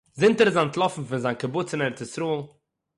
זינט ער איז אנטלאפן פון זיין קיבוץ אין ארץ ישראל